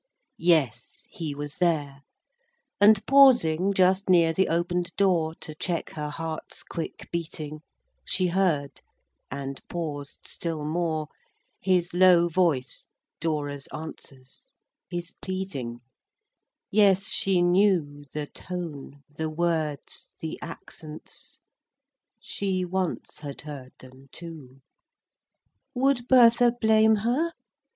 X. Yes, he was there; and pausing Just near the open'd door, To check her heart's quick beating, She heard—and paused still more— His low voice Dora's answers— His pleading—Yes, she knew The tone—the words—the accents: She once had heard them too. XI. "Would Bertha blame her?"